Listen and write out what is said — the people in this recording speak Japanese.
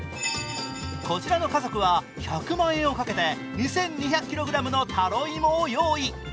こちらの家族は１００万円をかけて２２００ｋｇのタロイモを用意。